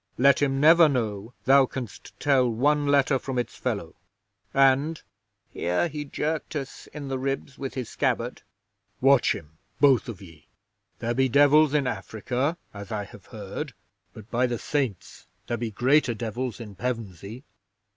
"Let him never know thou canst tell one letter from its fellow, and" here he jerked us in the ribs with his scabbard "watch him, both of ye. There be devils in Africa, as I have heard, but by the Saints, there be greater devils in Pevensey!"